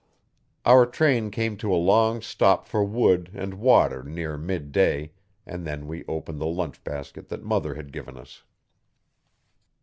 Our train came to a long stop for wood and water near midday, and then we opened the lunch basket that mother had given us.